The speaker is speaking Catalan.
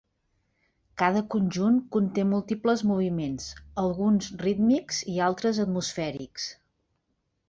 Cada conjunt conté múltiples moviments, alguns rítmics i altres atmosfèrics.